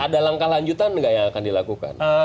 ada langkah lanjutan nggak yang akan dilakukan